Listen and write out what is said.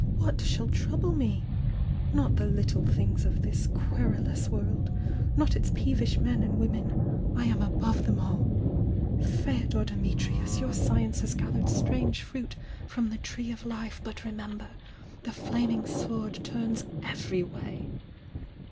— what shall trouble me? Not the things of this little querulous world! — not its peevish men and women! — I am above them all! Feodor Dimitrius, your science has gathc^d strange THE YOUNG DIANA 807 fruit from the Tree of Life, but remember! — the Flaming Swor?^ turns every way!"